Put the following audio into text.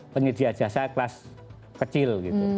pengidia jasa kelas kecil